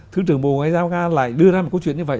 thứ trưởng bộ ngoại giao nga lại đưa ra một câu chuyện như vậy